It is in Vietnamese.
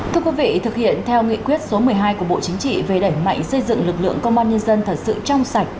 thưa quý vị thực hiện theo nghị quyết số một mươi hai của bộ chính trị về đẩy mạnh xây dựng lực lượng công an nhân dân thật sự trong sạch